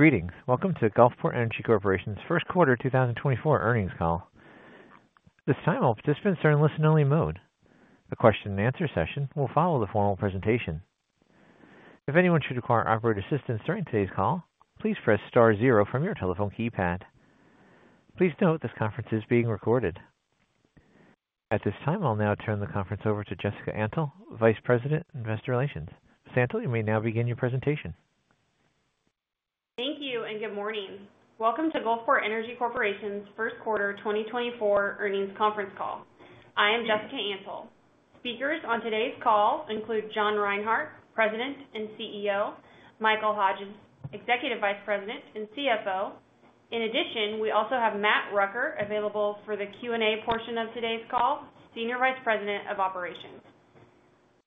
Greetings. Welcome to Gulfport Energy Corporation's first quarter 2024 earnings call. This time all participants are in listen-only mode. A question-and-answer session will follow the formal presentation. If anyone should require operator assistance during today's call, please press star zero from your telephone keypad. Please note this conference is being recorded. At this time I'll now turn the conference over to Jessica Antle, Vice President Investor Relations. Miss Antle, you may now begin your presentation. Thank you and good morning. Welcome to Gulfport Energy Corporation's first quarter 2024 earnings conference call. I am Jessica Antle. Speakers on today's call include John Reinhart, President and CEO. Michael Hodges, Executive Vice President and CFO. In addition, we also have Matt Rucker available for the Q&A portion of today's call, Senior Vice President of Operations.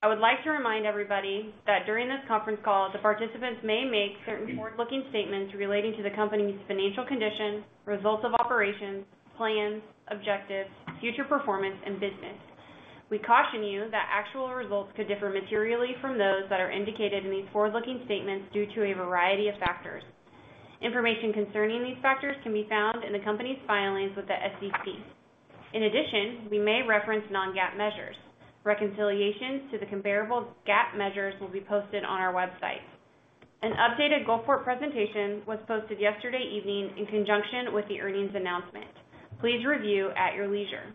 I would like to remind everybody that during this conference call the participants may make certain forward-looking statements relating to the company's financial condition, results of operations, plans, objectives, future performance, and business. We caution you that actual results could differ materially from those that are indicated in these forward-looking statements due to a variety of factors. Information concerning these factors can be found in the company's filings with the SEC. In addition, we may reference non-GAAP measures. Reconciliations to the comparable GAAP measures will be posted on our website. An updated Gulfport presentation was posted yesterday evening in conjunction with the earnings announcement. Please review at your leisure.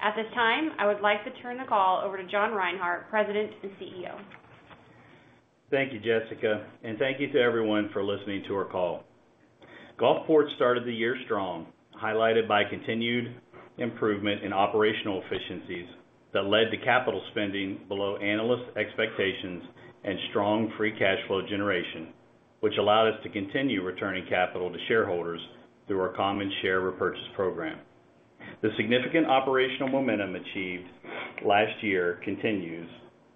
At this time I would like to turn the call over to John Reinhart, President and CEO. Thank you, Jessica, and thank you to everyone for listening to our call. Gulfport started the year strong, highlighted by continued improvement in operational efficiencies that led to capital spending below analyst expectations and strong free cash flow generation, which allowed us to continue returning capital to shareholders through our common share repurchase program. The significant operational momentum achieved last year continues,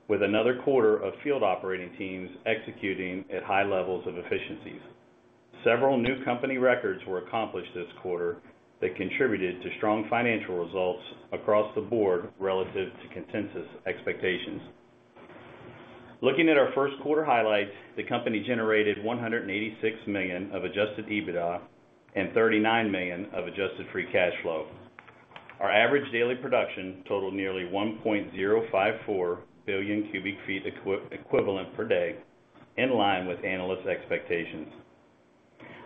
with another quarter of field operating teams executing at high levels of efficiencies. Several new company records were accomplished this quarter that contributed to strong financial results across the board relative to consensus expectations. Looking at our first quarter highlights, the company generated $186 million of adjusted EBITDA and $39 million of Adjusted Free Cash Flow. Our average daily production totaled nearly 1.054 billion cubic feet equivalent per day, in line with analyst expectations.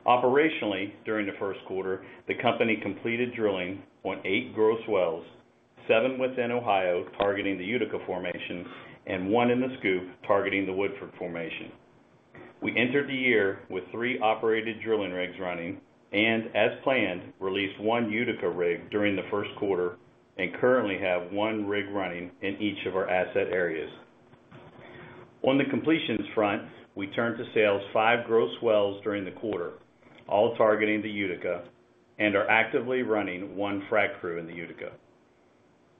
Operationally, during the first quarter, the company completed drilling 0.8 gross wells, seven within Ohio targeting the Utica formation and one in the SCOOP targeting the Woodford formation. We entered the year with three operated drilling rigs running and, as planned, released one Utica rig during the first quarter and currently have one rig running in each of our asset areas. On the completions front, we turned to sales five gross wells during the quarter, all targeting the Utica, and are actively running one frac crew in the Utica.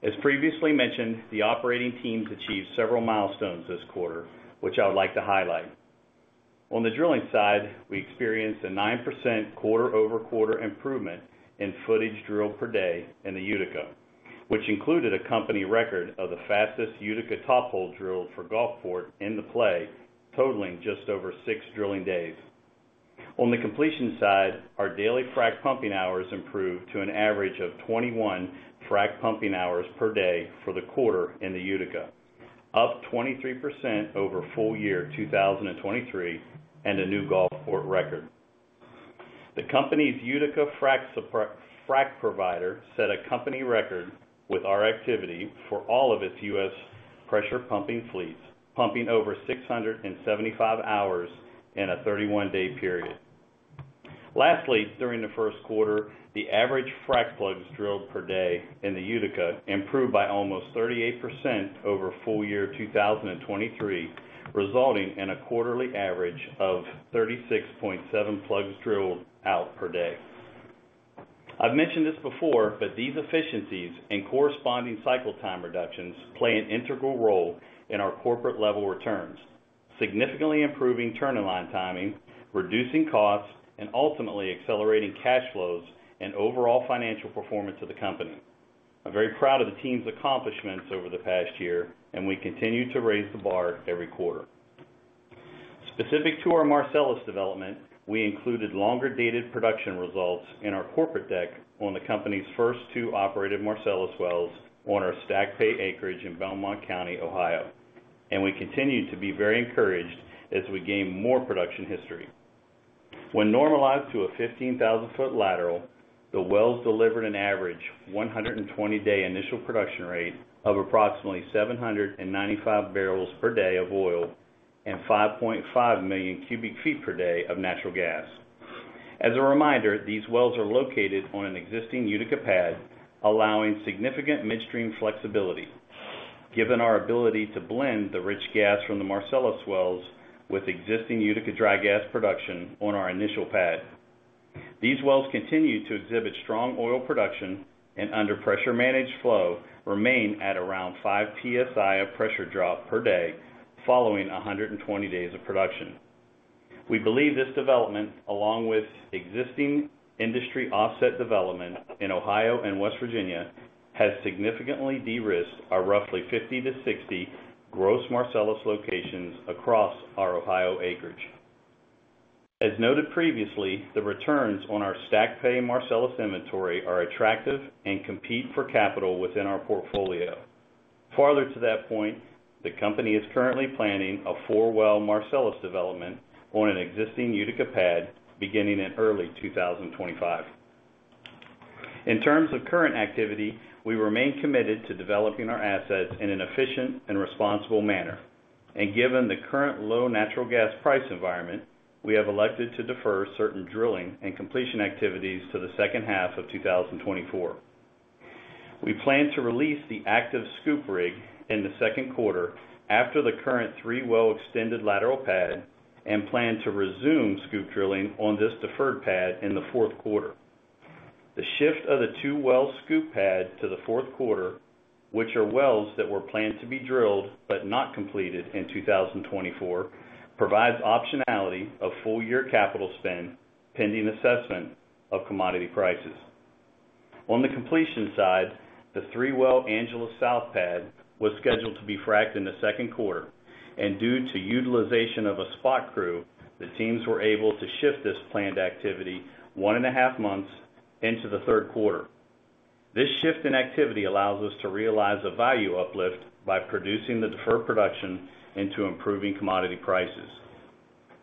As previously mentioned, the operating teams achieved several milestones this quarter, which I would like to highlight. On the drilling side, we experienced a 9% quarter-over-quarter improvement in footage drilled per day in the Utica, which included a company record of the fastest Utica top-hole drill for Gulfport in the play, totaling just over six drilling days. On the completion side, our daily frac pumping hours improved to an average of 21 frac pumping hours per day for the quarter in the Utica, up 23% over full year 2023 and a new Gulfport record. The company's Utica frac provider set a company record with our activity for all of its U.S. pressure pumping fleets, pumping over 675 hours in a 31-day period. Lastly, during the first quarter, the average frac plugs drilled per day in the Utica improved by almost 38% over full year 2023, resulting in a quarterly average of 36.7 plugs drilled out per day. I've mentioned this before, but these efficiencies and corresponding cycle time reductions play an integral role in our corporate-level returns, significantly improving turn-in-line timing, reducing costs, and ultimately accelerating cash flows and overall financial performance of the company. I'm very proud of the team's accomplishments over the past year, and we continue to raise the bar every quarter. Specific to our Marcellus development, we included longer-dated production results in our corporate deck on the company's first two operated Marcellus wells on our stacked-pay acreage in Belmont County, Ohio, and we continue to be very encouraged as we gain more production history. When normalized to a 15,000-foot lateral, the wells delivered an average 120-day initial production rate of approximately 795 barrels per day of oil and 5.5 million cubic feet per day of natural gas. As a reminder, these wells are located on an existing Utica pad, allowing significant midstream flexibility, given our ability to blend the rich gas from the Marcellus wells with existing Utica dry gas production on our initial pad. These wells continue to exhibit strong oil production and, under pressure-managed flow, remain at around 5 PSI of pressure drop per day following 120 days of production. We believe this development, along with existing industry offset development in Ohio and West Virginia, has significantly de-risked our roughly 50-60 gross Marcellus locations across our Ohio acreage. As noted previously, the returns on our stacked-pay Marcellus inventory are attractive and compete for capital within our portfolio. Farther to that point, the company is currently planning a four-well Marcellus development on an existing Utica pad beginning in early 2025. In terms of current activity, we remain committed to developing our assets in an efficient and responsible manner, and given the current low natural gas price environment, we have elected to defer certain drilling and completion activities to the second half of 2024. We plan to release the active SCOOP rig in the second quarter after the current three-well extended lateral pad and plan to resume SCOOP drilling on this deferred pad in the fourth quarter. The shift of the two-well SCOOP pad to the fourth quarter, which are wells that were planned to be drilled but not completed in 2024, provides optionality of full-year capital spend pending assessment of commodity prices. On the completion side, the three-well Angelo South pad was scheduled to be fracked in the second quarter, and due to utilization of a spot crew, the teams were able to shift this planned activity one and a half months into the third quarter. This shift in activity allows us to realize a value uplift by producing the deferred production into improving commodity prices.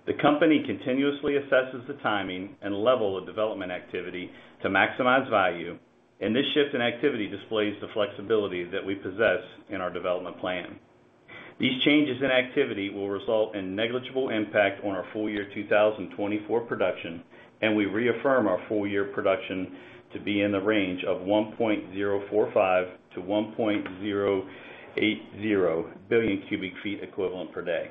The company continuously assesses the timing and level of development activity to maximize value, and this shift in activity displays the flexibility that we possess in our development plan. These changes in activity will result in negligible impact on our full-year 2024 production, and we reaffirm our full-year production to be in the range of 1.045 billion-1.080 billion cubic feet equivalent per day.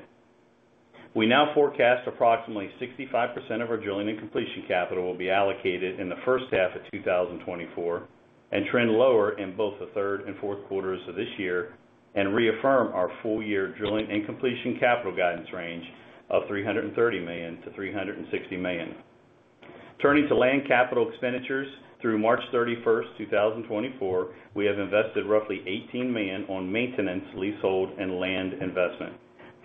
We now forecast approximately 65% of our drilling and completion capital will be allocated in the first half of 2024 and trend lower in both the third and fourth quarters of this year and reaffirm our full-year drilling and completion capital guidance range of $330 million-$360 million. Turning to land capital expenditures, through March 31st, 2024, we have invested roughly $18 million on maintenance, leasehold, and land investment,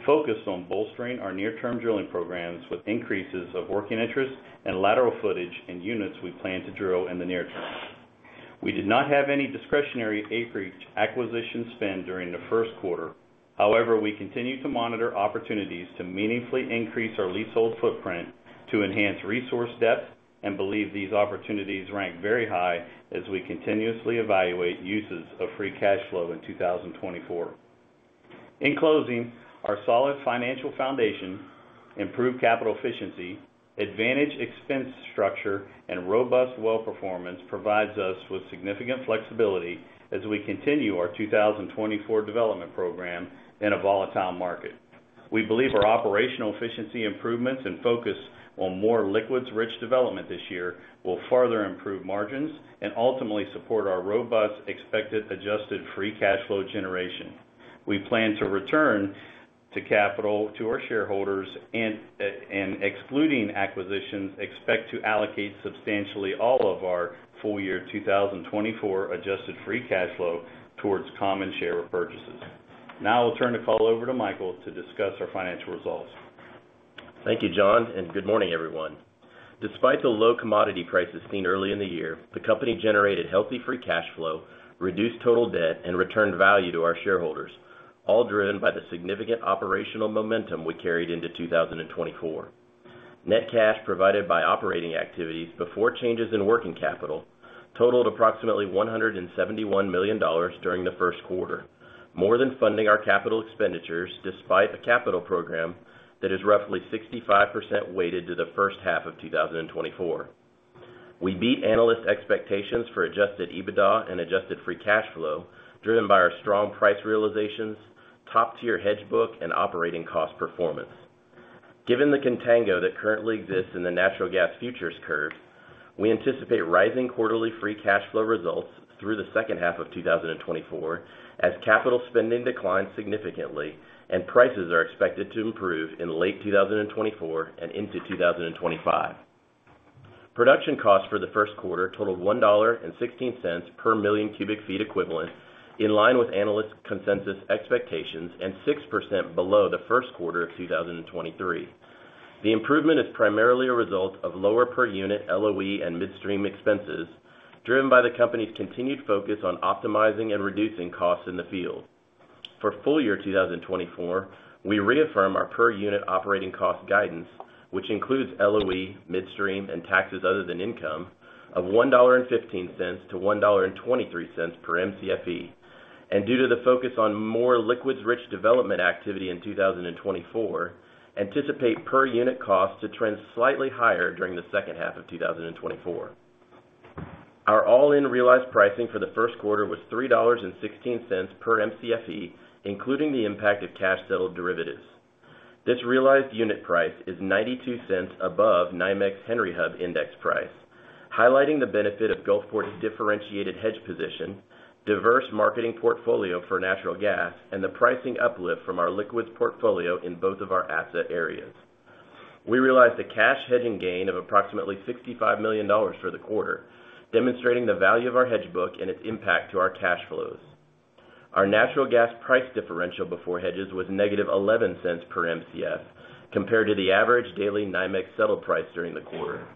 focused on bolstering our near-term drilling programs with increases of working interest and lateral footage in units we plan to drill in the near term. We did not have any discretionary acreage acquisition spend during the first quarter. However, we continue to monitor opportunities to meaningfully increase our leasehold footprint to enhance resource depth and believe these opportunities rank very high as we continuously evaluate uses of free cash flow in 2024. In closing, our solid financial foundation, improved capital efficiency, advantaged expense structure, and robust well performance provides us with significant flexibility as we continue our 2024 development program in a volatile market. We believe our operational efficiency improvements and focus on more liquids-rich development this year will further improve margins and ultimately support our robust expected Adjusted Free Cash Flow generation. We plan to return capital to our shareholders and, excluding acquisitions, expect to allocate substantially all of our full-year 2024 Adjusted Free Cash Flow towards common share repurchases. Now I'll turn the call over to Michael to discuss our financial results. Thank you, John, and good morning, everyone. Despite the low commodity prices seen early in the year, the company generated healthy free cash flow, reduced total debt, and returned value to our shareholders, all driven by the significant operational momentum we carried into 2024. Net cash provided by operating activities before changes in working capital totaled approximately $171 million during the first quarter, more than funding our capital expenditures despite a capital program that is roughly 65% weighted to the first half of 2024. We beat analyst expectations for Adjusted EBITDA and Adjusted Free Cash Flow driven by our strong price realizations, top-tier hedge book, and operating cost performance. Given the contango that currently exists in the natural gas futures curve, we anticipate rising quarterly free cash flow results through the second half of 2024 as capital spending declines significantly and prices are expected to improve in late 2024 and into 2025. Production costs for the first quarter totaled $1.16 per million cubic feet equivalent, in line with analyst consensus expectations, and 6% below the first quarter of 2023. The improvement is primarily a result of lower per unit LOE and midstream expenses driven by the company's continued focus on optimizing and reducing costs in the field. For full year 2024, we reaffirm our per unit operating cost guidance, which includes LOE, midstream, and taxes other than income, of $1.15-$1.23 per MCFE. Due to the focus on more liquids-rich development activity in 2024, anticipate per unit costs to trend slightly higher during the second half of 2024. Our all-in realized pricing for the first quarter was $3.16 per MCFE, including the impact of cash-settled derivatives. This realized unit price is $0.92 above NYMEX Henry Hub index price, highlighting the benefit of Gulfport's differentiated hedge position, diverse marketing portfolio for natural gas, and the pricing uplift from our liquids portfolio in both of our asset areas. We realized a cash hedging gain of approximately $65 million for the quarter, demonstrating the value of our hedge book and its impact to our cash flows. Our natural gas price differential before hedges was -$0.11 per MCF compared to the average daily NYMEX settled price during the quarter,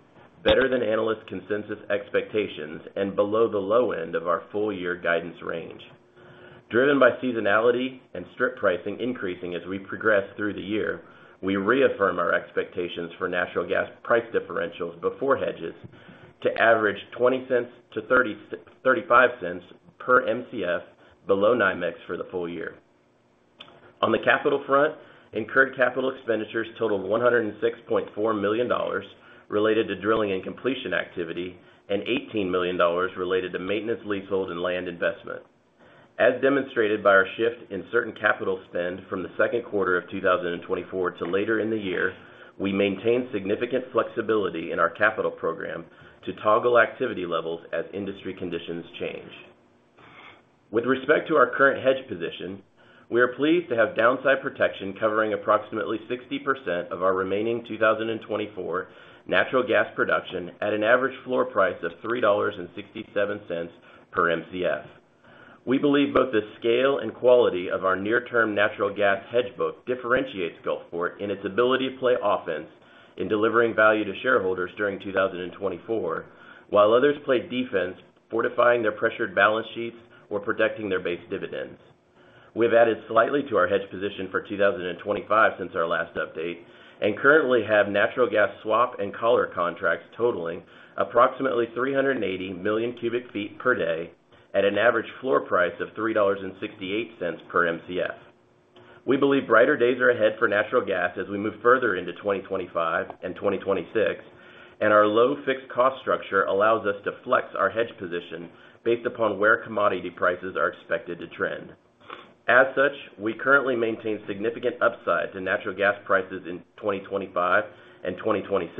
better than analyst consensus expectations, and below the low end of our full-year guidance range. Driven by seasonality and strip pricing increasing as we progress through the year, we reaffirm our expectations for natural gas price differentials before hedges to average $0.20-$0.35 per MCF below NYMEX for the full year. On the capital front, incurred capital expenditures totaled $106.4 million related to drilling and completion activity and $18 million related to maintenance, leasehold, and land investment. As demonstrated by our shift in certain capital spend from the second quarter of 2024 to later in the year, we maintain significant flexibility in our capital program to toggle activity levels as industry conditions change. With respect to our current hedge position, we are pleased to have downside protection covering approximately 60% of our remaining 2024 natural gas production at an average floor price of $3.67 per MCF. We believe both the scale and quality of our near-term natural gas hedge book differentiates Gulfport in its ability to play offense in delivering value to shareholders during 2024, while others play defense, fortifying their pressured balance sheets or protecting their base dividends. We have added slightly to our hedge position for 2025 since our last update and currently have natural gas swap and collar contracts totaling approximately 380 million cubic feet per day at an average floor price of $3.68 per MCF. We believe brighter days are ahead for natural gas as we move further into 2025 and 2026, and our low fixed cost structure allows us to flex our hedge position based upon where commodity prices are expected to trend. As such, we currently maintain significant upside to natural gas prices in 2025 and 2026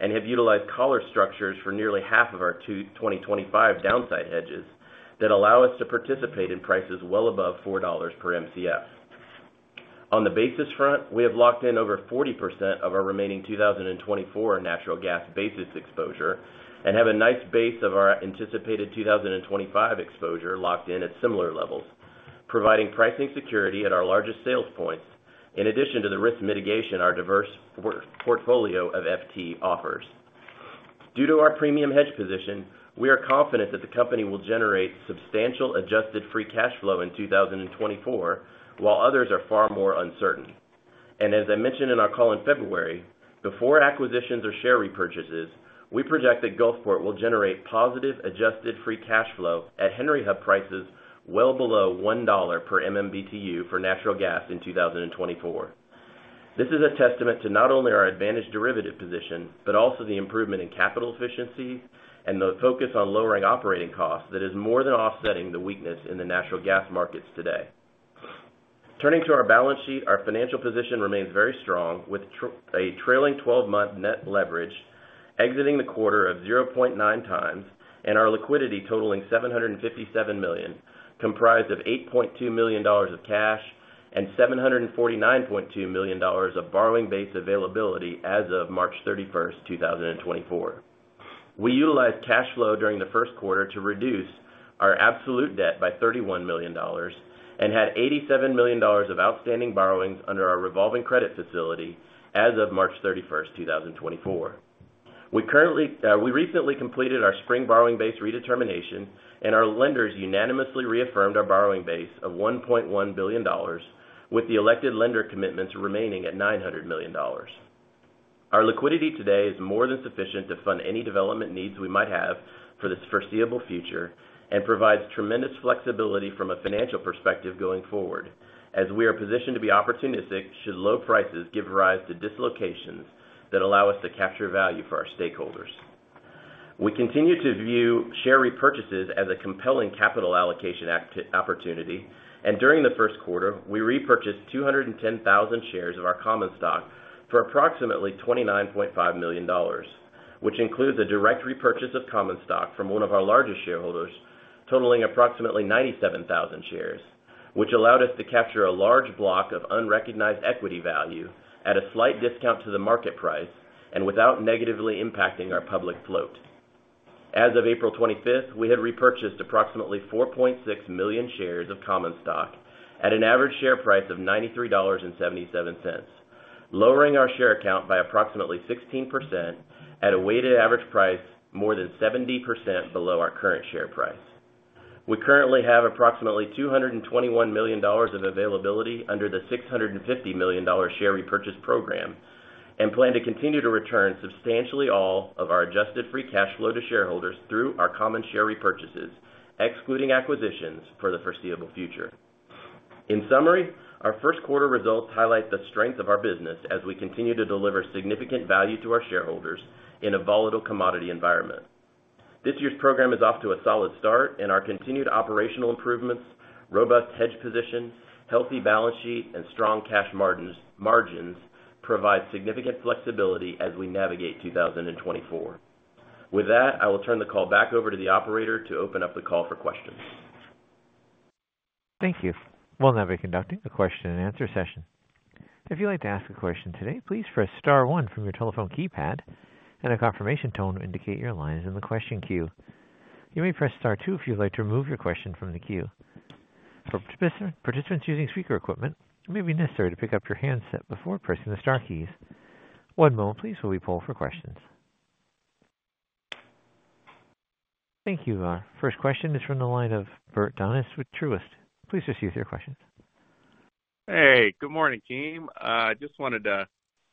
and have utilized collar structures for nearly half of our 2025 downside hedges that allow us to participate in prices well above $4 per MCF. On the basis front, we have locked in over 40% of our remaining 2024 natural gas basis exposure and have a nice base of our anticipated 2025 exposure locked in at similar levels, providing pricing security at our largest sales points in addition to the risk mitigation our diverse portfolio of FT offers. Due to our premium hedge position, we are confident that the company will generate substantial Adjusted Free Cash Flow in 2024 while others are far more uncertain. As I mentioned in our call in February, before acquisitions or share repurchases, we project that Gulfport will generate positive Adjusted Free Cash Flow at Henry Hub prices well below $1 per MMBTU for natural gas in 2024. This is a testament to not only our advantaged derivative position but also the improvement in capital efficiency and the focus on lowering operating costs that is more than offsetting the weakness in the natural gas markets today. Turning to our balance sheet, our financial position remains very strong with a trailing 12-month net leverage exiting the quarter of 0.9 times and our liquidity totaling $757 million, comprised of $8.2 million of cash and $749.2 million of borrowing base availability as of March 31st, 2024. We utilized cash flow during the first quarter to reduce our absolute debt by $31 million and had $87 million of outstanding borrowings under our revolving credit facility as of March 31st, 2024. We recently completed our spring borrowing base redetermination, and our lenders unanimously reaffirmed our borrowing base of $1.1 billion, with the elected lender commitments remaining at $900 million. Our liquidity today is more than sufficient to fund any development needs we might have for the foreseeable future and provides tremendous flexibility from a financial perspective going forward, as we are positioned to be opportunistic should low prices give rise to dislocations that allow us to capture value for our stakeholders. We continue to view share repurchases as a compelling capital allocation opportunity, and during the first quarter, we repurchased 210,000 shares of our common stock for approximately $29.5 million, which includes a direct repurchase of common stock from one of our largest shareholders totaling approximately 97,000 shares, which allowed us to capture a large block of unrecognized equity value at a slight discount to the market price and without negatively impacting our public float. As of April 25th, we had repurchased approximately 4.6 million shares of common stock at an average share price of $93.77, lowering our share count by approximately 16% at a weighted average price more than 70% below our current share price. We currently have approximately $221 million of availability under the $650 million share repurchase program and plan to continue to return substantially all of our Adjusted Free Cash Flow to shareholders through our common share repurchases, excluding acquisitions for the foreseeable future. In summary, our first quarter results highlight the strength of our business as we continue to deliver significant value to our shareholders in a volatile commodity environment. This year's program is off to a solid start, and our continued operational improvements, robust hedge position, healthy balance sheet, and strong cash margins provide significant flexibility as we navigate 2024. With that, I will turn the call back over to the operator to open up the call for questions. Thank you. We'll now be conducting a question and answer session. If you'd like to ask a question today, please press star one from your telephone keypad and a confirmation tone to indicate your line is in the question queue. You may press star two if you'd like to remove your question from the queue. For participants using speaker equipment, it may be necessary to pick up your handset before pressing the star keys. One moment, please, while we pull for questions. Thank you. Our first question is from the line of Bert Donnes with Truist. Please proceed with your questions. Hey, good morning, team. I just wanted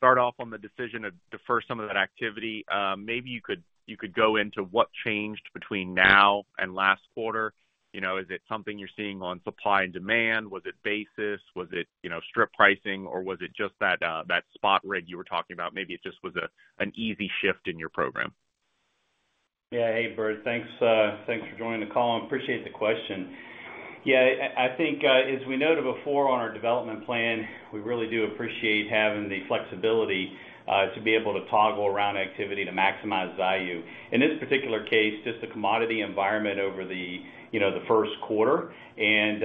to start off on the decision to defer some of that activity. Maybe you could go into what changed between now and last quarter. Is it something you're seeing on supply and demand? Was it basis? Was it strip pricing, or was it just that spot rig you were talking about? Maybe it just was an easy shift in your program? Yeah. Hey, Bert. Thanks for joining the call. I appreciate the question. Yeah, I think, as we noted before on our development plan, we really do appreciate having the flexibility to be able to toggle around activity to maximize value. In this particular case, just the commodity environment over the first quarter and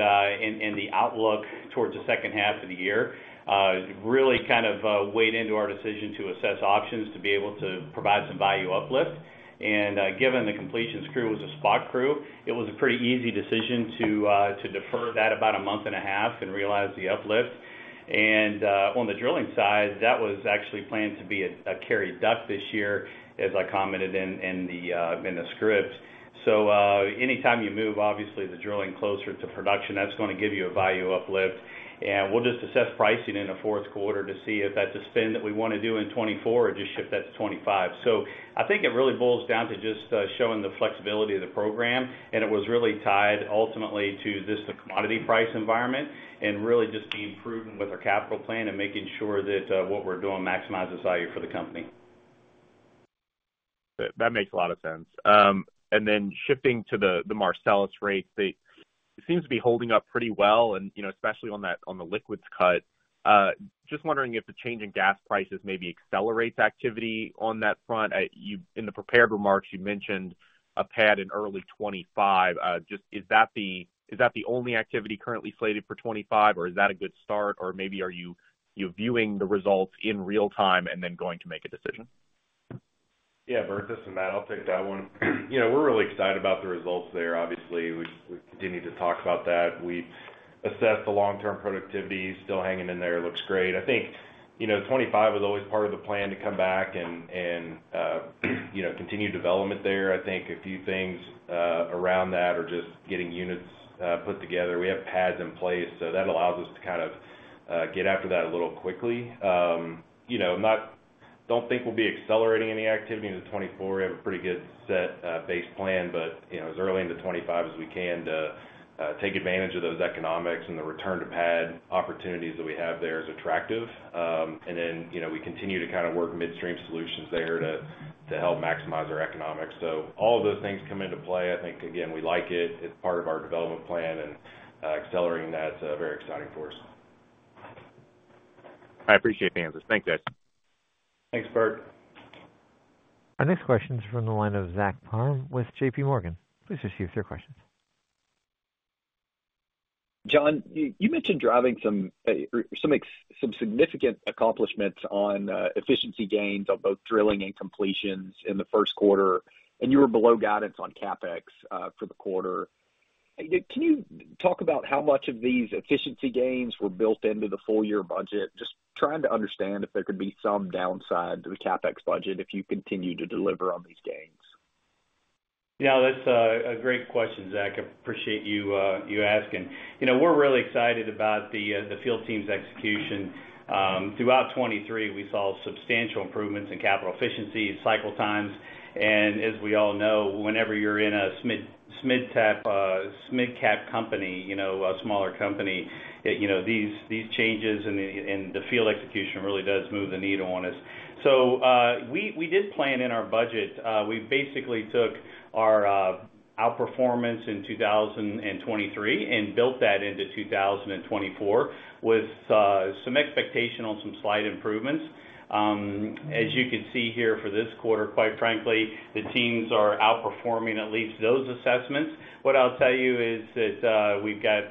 the outlook towards the second half of the year really kind of weighed into our decision to assess options to be able to provide some value uplift. And given the completion crew was a spot crew, it was a pretty easy decision to defer that about a month and a half and realize the uplift. And on the drilling side, that was actually planned to be a carried DUC this year, as I commented in the script. So anytime you move, obviously, the drilling closer to production, that's going to give you a value uplift. We'll just assess pricing in the fourth quarter to see if that's a spend that we want to do in 2024 or just shift that to 2025. I think it really boils down to just showing the flexibility of the program, and it was really tied ultimately to just the commodity price environment and really just being proven with our capital plan and making sure that what we're doing maximizes value for the company. That makes a lot of sense. And then shifting to the Marcellus rate, it seems to be holding up pretty well, especially on the liquids cut. Just wondering if the change in gas prices maybe accelerates activity on that front. In the prepared remarks, you mentioned a pad in early 2025. Is that the only activity currently slated for 2025, or is that a good start? Or maybe are you viewing the results in real time and then going to make a decision? Yeah, Bert. This is Matt. I'll take that one. We're really excited about the results there, obviously. We continue to talk about that. We assessed the long-term productivity. Still hanging in there. Looks great. I think 2025 was always part of the plan to come back and continue development there. I think a few things around that are just getting units put together. We have pads in place, so that allows us to kind of get after that a little quickly. I don't think we'll be accelerating any activity into 2024. We have a pretty good set base plan, but as early into 2025 as we can to take advantage of those economics and the return to pad opportunities that we have there is attractive. And then we continue to kind of work midstream solutions there to help maximize our economics. So all of those things come into play. I think, again, we like it. It's part of our development plan, and accelerating that is very exciting for us. I appreciate the answers. Thanks, guys. Thanks, Bert. Our next question is from the line of Zach Parham with J.P. Morgan. Please proceed with your questions. John, you mentioned driving some significant accomplishments on efficiency gains on both drilling and completions in the first quarter, and you were below guidance on CapEx for the quarter. Can you talk about how much of these efficiency gains were built into the full-year budget? Just trying to understand if there could be some downside to the CapEx budget if you continue to deliver on these gains. Yeah, that's a great question, Zach. Appreciate you asking. We're really excited about the field team's execution. Throughout 2023, we saw substantial improvements in capital efficiencies, cycle times. And as we all know, whenever you're in a SMID cap company, a smaller company, these changes in the field execution really does move the needle on us. So we did plan in our budget. We basically took our outperformance in 2023 and built that into 2024 with some expectation on some slight improvements. As you can see here for this quarter, quite frankly, the teams are outperforming at least those assessments. What I'll tell you is that we've got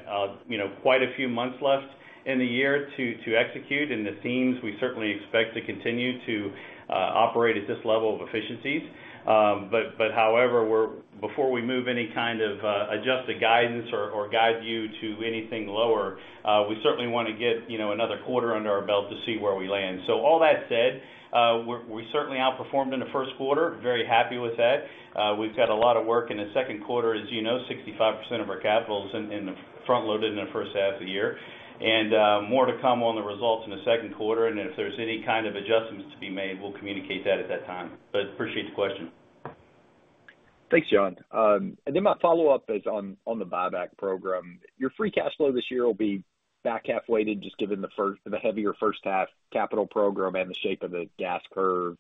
quite a few months left in the year to execute, and the teams, we certainly expect to continue to operate at this level of efficiencies. However, before we move any kind of adjusted guidance or guide you to anything lower, we certainly want to get another quarter under our belt to see where we land. So all that said, we certainly outperformed in the first quarter. Very happy with that. We've got a lot of work in the second quarter. As you know, 65% of our capital is front-loaded in the first half of the year. And more to come on the results in the second quarter. And if there's any kind of adjustments to be made, we'll communicate that at that time. But appreciate the question. Thanks, John. And then my follow-up is on the buyback program. Your free cash flow this year will be back-half weighted, just given the heavier first-half capital program and the shape of the gas curve.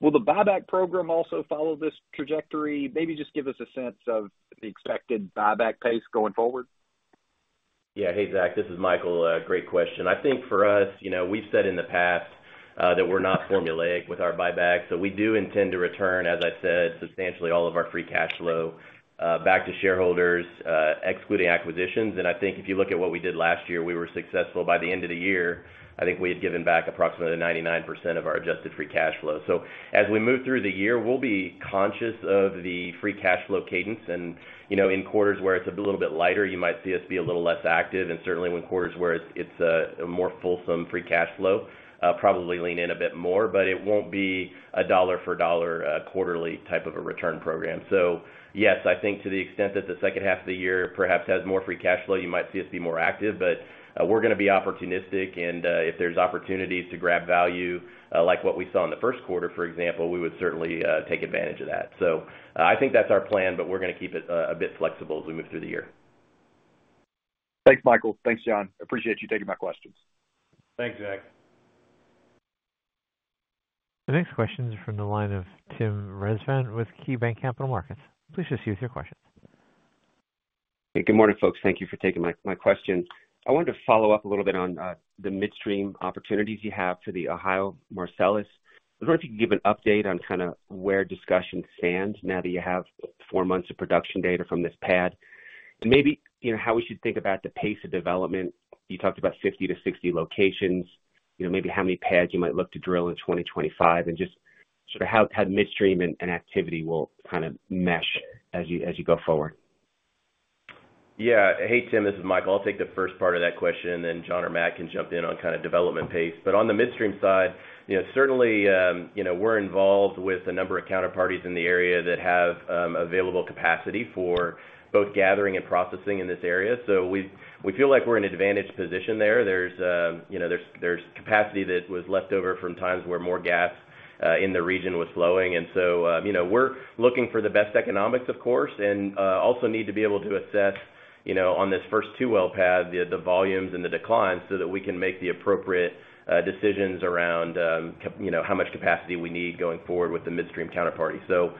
Will the buyback program also follow this trajectory? Maybe just give us a sense of the expected buyback pace going forward. Yeah. Hey, Zach. This is Michael. Great question. I think for us, we've said in the past that we're not formulaic with our buyback. So we do intend to return, as I said, substantially all of our free cash flow back to shareholders, excluding acquisitions. And I think if you look at what we did last year, we were successful. By the end of the year, I think we had given back approximately 99% of our Adjusted Free Cash Flow. So as we move through the year, we'll be conscious of the free cash flow cadence. And in quarters where it's a little bit lighter, you might see us be a little less active. And certainly, in quarters where it's a more fulsome free cash flow, probably lean in a bit more. But it won't be a dollar-for-dollar quarterly type of a return program. So yes, I think to the extent that the second half of the year perhaps has more free cash flow, you might see us be more active. But we're going to be opportunistic. And if there's opportunities to grab value like what we saw in the first quarter, for example, we would certainly take advantage of that. So I think that's our plan, but we're going to keep it a bit flexible as we move through the year. Thanks, Michael. Thanks, John. Appreciate you taking my questions. Thanks, Zach. Our next question is from the line of Tim Rezvan with KeyBanc Capital Markets. Please proceed with your questions. Hey, good morning, folks. Thank you for taking my question. I wanted to follow up a little bit on the midstream opportunities you have for the Ohio Marcellus. I was wondering if you could give an update on kind of where discussions stand now that you have four months of production data from this pad and maybe how we should think about the pace of development. You talked about 50-60 locations, maybe how many pads you might look to drill in 2025 and just sort of how midstream and activity will kind of mesh as you go forward. Yeah. Hey, Tim. This is Michael. I'll take the first part of that question, and then John or Matt can jump in on kind of development pace. But on the midstream side, certainly, we're involved with a number of counterparties in the area that have available capacity for both gathering and processing in this area. So we feel like we're in an advantaged position there. There's capacity that was left over from times where more gas in the region was flowing. And so we're looking for the best economics, of course, and also need to be able to assess on this first two-well pad the volumes and the declines so that we can make the appropriate decisions around how much capacity we need going forward with the midstream counterparty. So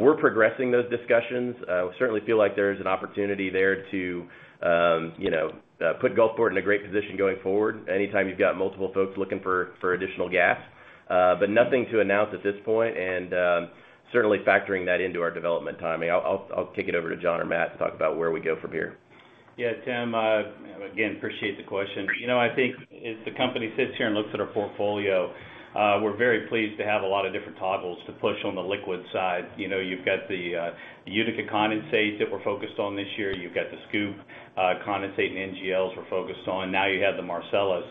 we're progressing those discussions. Certainly, feel like there's an opportunity there to put Gulfport in a great position going forward anytime you've got multiple folks looking for additional gas, but nothing to announce at this point and certainly factoring that into our development timing. I'll kick it over to John or Matt to talk about where we go from here. Yeah, Tim. Again, appreciate the question. I think as the company sits here and looks at our portfolio, we're very pleased to have a lot of different toggles to push on the liquids side. You've got the Utica condensates that we're focused on this year. You've got the SCOOP condensate and NGLs we're focused on. Now you have the Marcellus,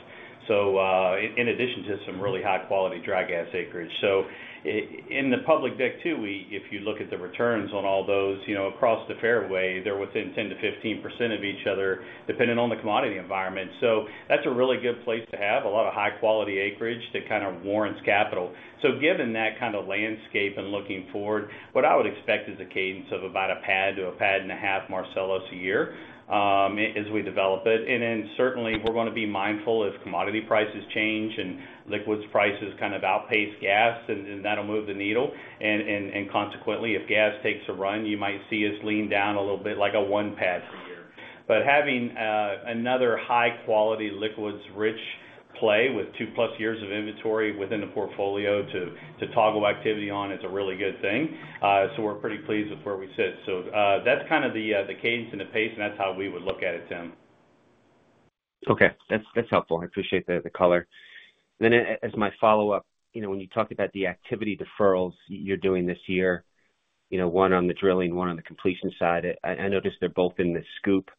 in addition to some really high-quality dry gas acreage. So in the public deck, too, if you look at the returns on all those across the fairway, they're within 10%-15% of each other depending on the commodity environment. So that's a really good place to have a lot of high-quality acreage that kind of warrants capital. So given that kind of landscape and looking forward, what I would expect is a cadence of about a pad to a pad and a half Marcellus a year as we develop it. And then certainly, we're going to be mindful if commodity prices change and liquids prices kind of outpace gas, and that'll move the needle. And consequently, if gas takes a run, you might see us lean down a little bit like 1 pad per year. But having another high-quality, liquids-rich play with 2+ years of inventory within the portfolio to toggle activity on is a really good thing. So we're pretty pleased with where we sit. So that's kind of the cadence and the pace, and that's how we would look at it, Tim. Okay. That's helpful. I appreciate the color. And then as my follow-up, when you talked about the activity deferrals you're doing this year, one on the drilling, one on the completion side, I noticed they're both in the SCOOP.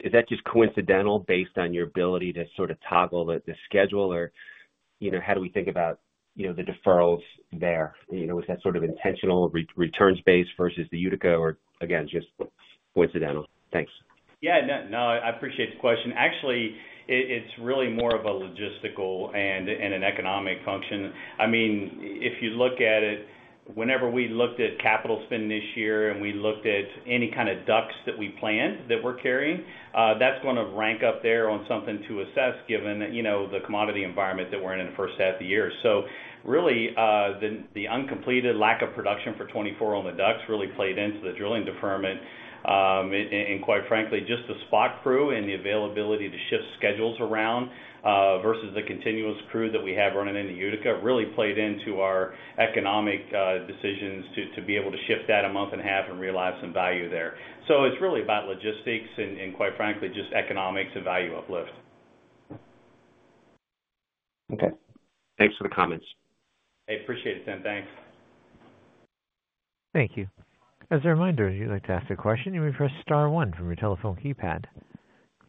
Is that just coincidental based on your ability to sort of toggle the schedule, or how do we think about the deferrals there? Was that sort of intentional returns-based versus the Utica, or again, just coincidental? Thanks. Yeah. No, I appreciate the question. Actually, it's really more of a logistical and an economic function. I mean, if you look at it, whenever we looked at capital spend this year and we looked at any kind of DUCs that we planned that we're carrying, that's going to rank up there on something to assess given the commodity environment that we're in in the first half of the year. So really, the uncompleted lack of production for 2024 on the DUCs really played into the drilling deferment. And quite frankly, just the spot crew and the availability to shift schedules around versus the continuous crew that we have running in the Utica really played into our economic decisions to be able to shift that a month and a half and realize some value there. So it's really about logistics and, quite frankly, just economics and value uplift. Okay. Thanks for the comments. Hey, appreciate it, Tim. Thanks. Thank you. As a reminder, if you'd like to ask a question, you may press star one from your telephone keypad.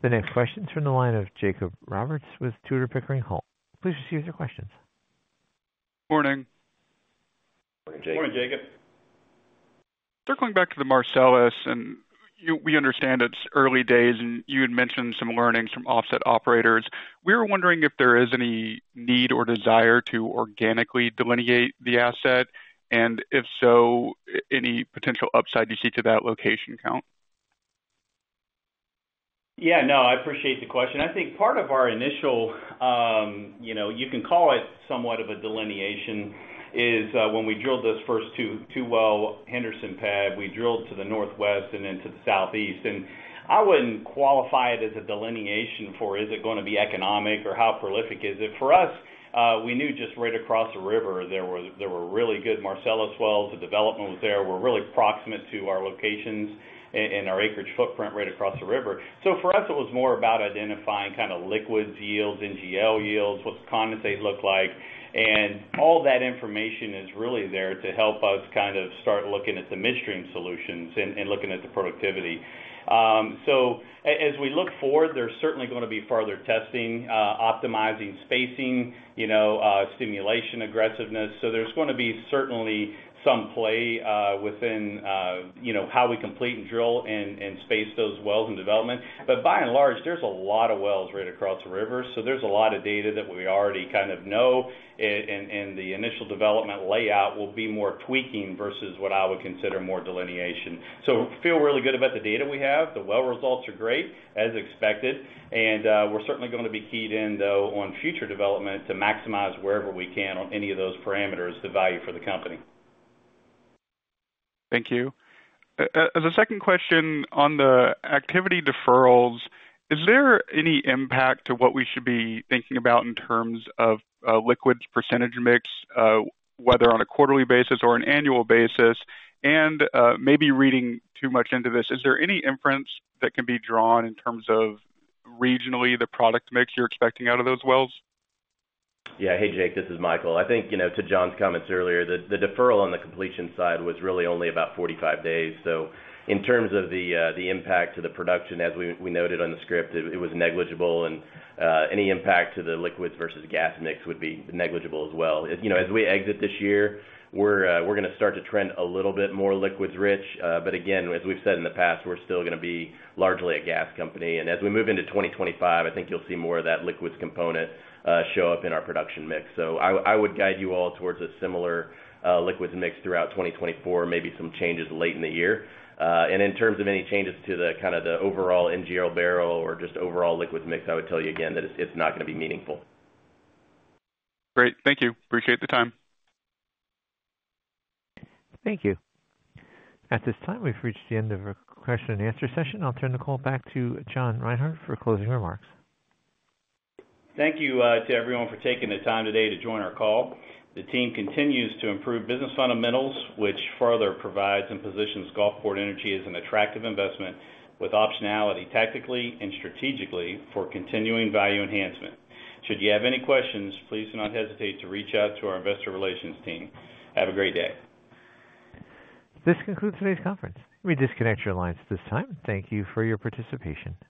The next question is from the line of Jacob Roberts with Tudor Pickering Holt. Please proceed with your questions. Morning. Morning, Jacob. Morning, Jacob. Circling back to the Marcellus, and we understand it's early days, and you had mentioned some learnings from offset operators. We were wondering if there is any need or desire to organically delineate the asset, and if so, any potential upside you see to that location count. Yeah. No, I appreciate the question. I think part of our initial you can call it somewhat of a delineation is when we drilled this first two-well Henderson pad, we drilled to the northwest and then to the southeast. And I wouldn't qualify it as a delineation for, "Is it going to be economic, or how prolific is it?" For us, we knew just right across the river there were really good Marcellus wells. The development was there. We're really proximate to our locations and our acreage footprint right across the river. So for us, it was more about identifying kind of liquids yields, NGL yields, what's condensate look like. And all that information is really there to help us kind of start looking at the midstream solutions and looking at the productivity. So as we look forward, there's certainly going to be farther testing, optimizing spacing, stimulation aggressiveness. So there's going to be certainly some play within how we complete and drill and space those wells in development. But by and large, there's a lot of wells right across the river, so there's a lot of data that we already kind of know. And the initial development layout will be more tweaking versus what I would consider more delineation. So feel really good about the data we have. The well results are great, as expected. And we're certainly going to be keyed in, though, on future development to maximize wherever we can on any of those parameters, the value for the company. Thank you. As a second question on the activity deferrals, is there any impact to what we should be thinking about in terms of liquids percentage mix, whether on a quarterly basis or an annual basis? And maybe reading too much into this, is there any inference that can be drawn in terms of regionally the product mix you're expecting out of those wells? Yeah. Hey, Jake. This is Michael. I think to John's comments earlier, the deferral on the completion side was really only about 45 days. So in terms of the impact to the production, as we noted on the script, it was negligible. And any impact to the liquids versus gas mix would be negligible as well. As we exit this year, we're going to start to trend a little bit more liquids-rich. But again, as we've said in the past, we're still going to be largely a gas company. And as we move into 2025, I think you'll see more of that liquids component show up in our production mix. So I would guide you all towards a similar liquids mix throughout 2024, maybe some changes late in the year. In terms of any changes to kind of the overall NGL barrel or just overall liquids mix, I would tell you again that it's not going to be meaningful. Great. Thank you. Appreciate the time. Thank you. At this time, we've reached the end of our question-and-answer session. I'll turn the call back to John Reinhart for closing remarks. Thank you to everyone for taking the time today to join our call. The team continues to improve business fundamentals, which further provides and positions Gulfport Energy as an attractive investment with optionality tactically and strategically for continuing value enhancement. Should you have any questions, please do not hesitate to reach out to our investor relations team. Have a great day. This concludes today's conference. Let me disconnect your lines at this time. Thank you for your participation.